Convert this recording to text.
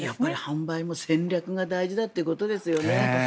販売も戦略が大事だということですね。